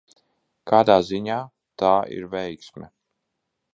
Kādā ziņā tā ir veiksme?